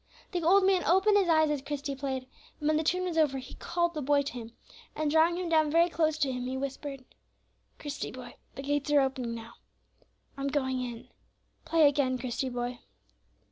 The old man opened his eyes as Christie played, and, when the tune was over, he called the boy to him; and, drawing him down very close to him, he whispered, "Christie, boy, the gates are opening now. I'm going in. Play again, Christie, boy."